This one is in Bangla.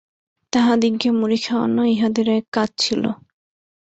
তাহাদিগকে মুড়ি খাওয়ানো ইহাদের এক কাজ ছিল।